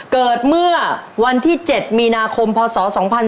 เกิดเมื่อวันที่๗มีนาคมพศ๒๕๕๙